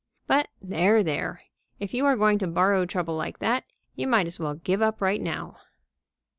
But there, there if you are going to borrow trouble like that, you might as well give up right now.